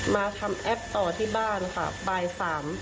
มาทำแอปต่อที่บ้านค่ะบ่ายสาม